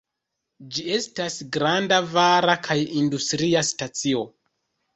Ĝi estas granda vara kaj industria stacio.